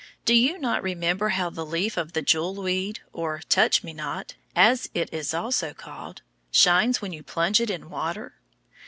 Do you not remember how the leaf of the jewel weed, or touch me not, as it is also called, shines when you plunge it in water?